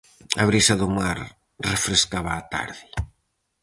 A brisa do mar refrescaba a tarde.